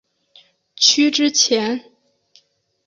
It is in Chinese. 区之前。